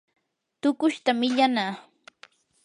tuqushta millanaa.